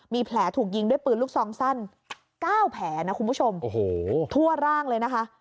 มีแผลถูกยิงด้วยปืนลูกซองสั้น๙แผลนะคุณผู้ชมโอ้โหทั่วร่างเลยนะคะ